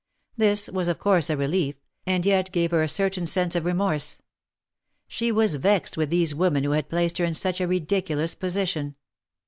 This was of course a relief, and yet gave her a certain sense of 278 THE MARKETS OF PARIS. remorse. She was vexed with these women who had placed her in such a ridiculous position.